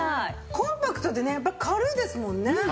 コンパクトでねやっぱ軽いですもんね。